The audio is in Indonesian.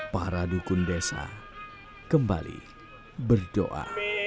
para dukun desa kembali berdoa